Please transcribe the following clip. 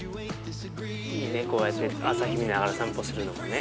いいねこうやって朝日見ながら散歩するのもね。